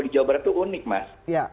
di jawa barat itu unik mas